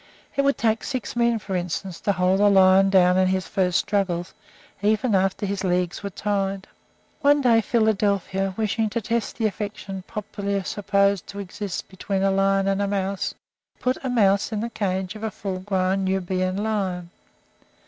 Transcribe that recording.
It would take six men, for instance, to hold a lion down in his first struggles, even after his legs were tied. One day Philadelphia, wishing to test the affection popularly supposed to exist between a lion and a mouse, put a mouse in the cage of a full grown Nubian lion.